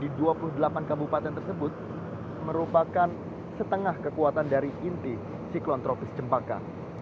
di dua puluh delapan kabupaten tersebut merupakan setengah kekuatan dari inti siklon tropis cempaka